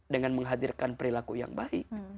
dengan menghadirkan perilaku yang baik